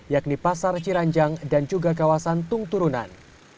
yakni pasar ciranjang dan juga kawasan tungturun